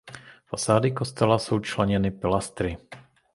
Fasády kostela jsou členěny pilastry.